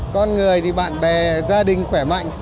con người thì bạn bè gia đình khỏe mạnh